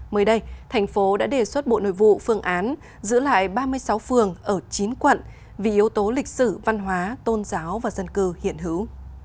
mới đây thành phố đã đề xuất bộ nội vụ phương án giữ lại ba mươi sáu phường ở chín quận vì yếu tố lịch sử văn hóa tôn giáo và dân cư hiện hữu